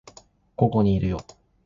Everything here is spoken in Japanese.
ここにいるよ